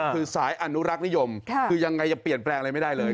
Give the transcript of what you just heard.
คือสายอนุรักษ์นิยมคือยังไงยังเปลี่ยนแปลงอะไรไม่ได้เลย